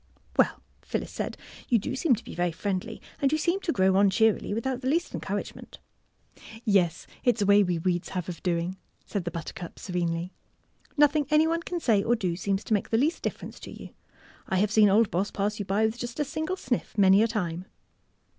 '''^ Well,'' Phyllis said, '' you do seem to be very friendly, and you seem to grow on cheer ily without the least encouragement." '' Yes, it's a way we weeds have of doing," said the buttercup, serenely. *' Nothing any one can say or do seems to make the least difference to you. I have seen old Boss pass you by with just a single sniff many a time."